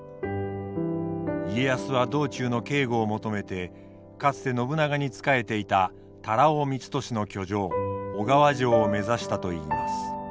家康は道中の警護を求めてかつて信長に仕えていた多羅尾光俊の居城小川城を目指したといいます。